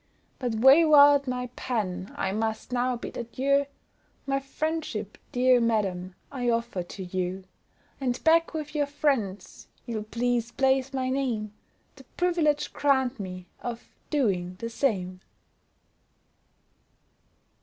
But wayward my pen, I must now bid adieu, My friendship, dear madam, I offer to you, And beg with your friends, you'll please place my name, The privilege grant me of doing the same.